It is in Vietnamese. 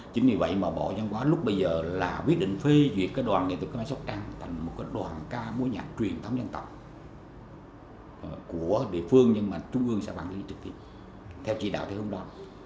chính vì vậy mà bộ dân quá lúc bây giờ là quyết định phê duyệt cái đoàn nghệ thuật cái mãi sóc trăng thành một cái đoàn ca mối nhạc truyền thống dân tộc của địa phương nhưng mà trung ương sẽ bản lý trực tiếp theo trị đạo thế hương đó